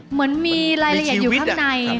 เหมือนมีรายละเอียดอยู่ข้างใน